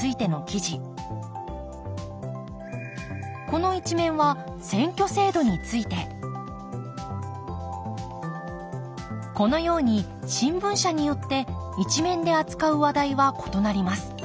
この１面は選挙制度についてこのように新聞社によって１面で扱う話題は異なります。